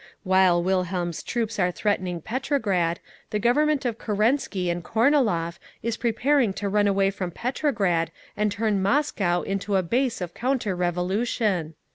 While Wilhelm's troops are threatening Petrograd, the Government of Kerensky and Kornilov is preparing to run away from Petrograd and turn Moscow into a base of counter revolution!